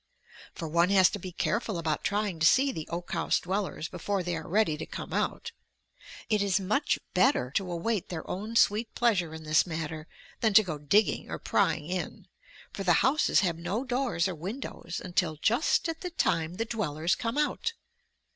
For one has to be careful about trying to see the oak house dwellers before they are ready to come out. It is much better to await their own sweet pleasure in this matter, than to go digging or prying in, for the houses have no doors or windows until just at the time the dwellers come out!